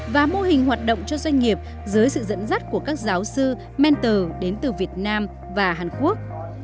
và mô hình hoạt động cho doanh nghiệp dưới sự dẫn dắt của các giáo sư mentor đến từ việt nam và hàn quốc